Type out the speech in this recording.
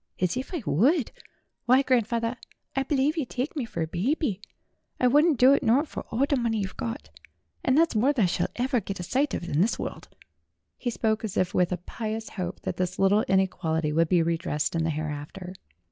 "As if I would ! Why, grandfawther, I believe yer tike me fur a byeby. I wouldn't do it nort for all the money yer've gort; and thet's more than I shall ever get a sight of in this world." He spoke as if with a pious hope that this little inequality would be redressed in the hereafter.